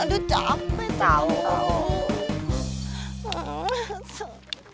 aduh cape tau tau